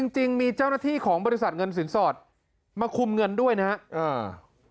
จริงมีเจ้าหน้าที่ของบริษัทเงินสินสอดมาคุมเงินด้วยนะครับ